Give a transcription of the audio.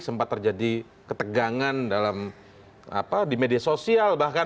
sempat terjadi ketegangan dalam di media sosial bahkan